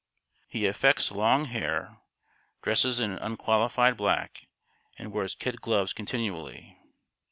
] He affects long hair, dresses in unqualified black, and wears kid gloves continually.